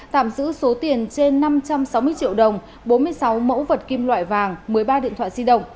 tạm giữ số tiền trên năm trăm sáu mươi triệu đồng bốn mươi sáu mẫu vật kim loại vàng một mươi ba điện thoại di động